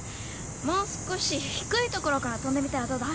もう少し低い所から跳んでみたらどうだ？